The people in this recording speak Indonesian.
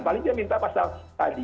paling dia minta pasal tadi dua belas